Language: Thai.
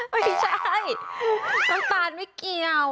ไม่ใช่น้ำตาลไม่เกี่ยว